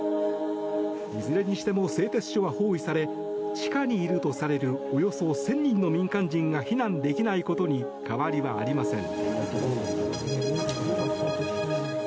いずれにしても製鉄所は包囲され地下にいるとされるおよそ１０００人の民間人が避難できないことに変わりはありません。